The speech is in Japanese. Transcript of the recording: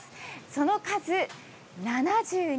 その数７２。